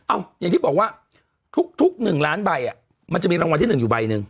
อย่างที่บอกว่าทุก๑ล้านใบมันจะมีรางวัลที่๑อยู่ใบหนึ่ง